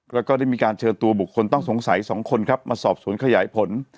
แล้วก็ได้มีการเชิญตัวบุคคลต้องสงสัย๒คนครับมาสอบสวนขยายผล